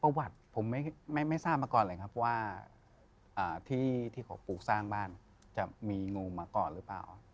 ประวัติผมไม่ทราบมาก่อนเลยครับว่าที่เขาปลูกสร้างบ้านจะมีงูมาก่อนหรือเปล่า